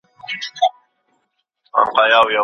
مالونه مه ذخیره کوئ.